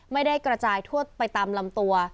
ไม่ได้กระจายทั่วไปตามลำตัว